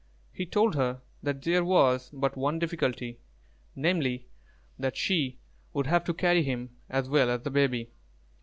He told her that there was but one difficulty; namely, that she would have to carry him as well as the baby.